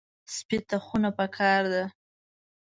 سپي ته خونه پکار ده.